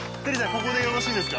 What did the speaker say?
ここでよろしいですか？